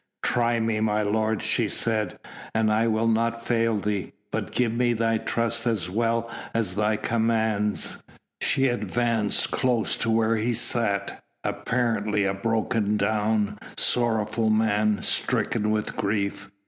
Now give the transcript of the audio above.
"Try me, my lord," she said, "and I'll not fail thee. But give me thy trust as well as thy commands." She advanced close to where he sat, apparently a broken down, sorrowful man, stricken with grief.